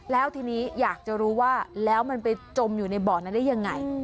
แล้วทีนี้อยากจะรู้ว่าแล้วมันไปจมอยู่ในบ่อนั้นได้ยังไง